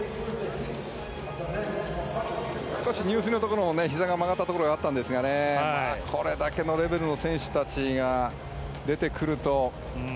入水のところで、ひざが曲がったところもあったんですがこれだけのレベルの選手たちが出てくると。